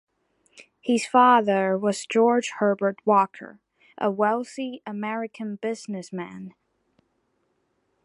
His father was George Herbert Walker, a wealthy American businessman.